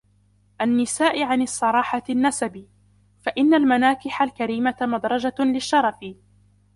النِّسَاءِ عَنْ صَرَاحَةِ النَّسَبِ ، فَإِنَّ الْمَنَاكِحَ الْكَرِيمَةَ مَدْرَجَةٌ لِلشَّرَفِ